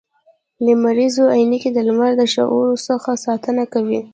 لمریزي عینکي د لمر د شعاوو څخه ساتنه کوي